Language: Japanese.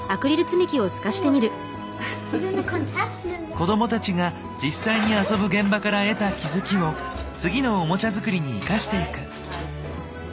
子どもたちが実際に遊ぶ現場から得た気付きを次のオモチャ作りに生かしていく。